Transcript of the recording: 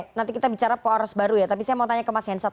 oke nanti kita bicara poros baru ya tapi saya mau tanya ke mas hensat